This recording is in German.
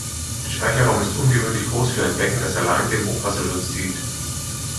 Der Speicherraum ist ungewöhnlich groß für ein Becken, das allein dem Hochwasserschutz dient.